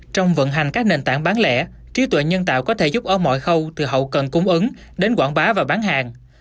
trong vận hành các nền tảng bán lẻ trí tuệ nhân tạo có thể giúp ở mọi khâu từ hậu cần cung ứng đến quảng bá và bán hàng